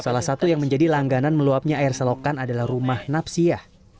salah satu yang menjadi langganan meluapnya air selokan adalah rumah napsia